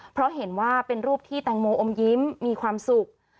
เพราะเห็นว่าเป็นรูปที่แตงโมอมยิ้มมีความสุข